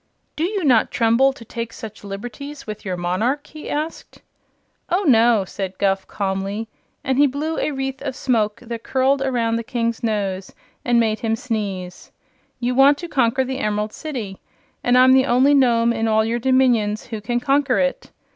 "Do you not tremble to take such liberties with your monarch?" he asked. "Oh no," replied Guph, calmly, and he blew a wreath of smoke that curled around the King's nose and made him sneeze. "You want to conquer the Emerald City, and I'm the only Nome in all your dominions who can conquer it.